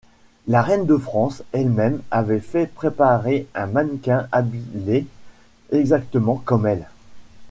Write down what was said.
La reine de France elle-même avait fait préparer un mannequin habillé exactement comme elle.